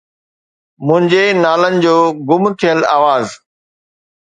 منهنجي نالن جو گم ٿيل آواز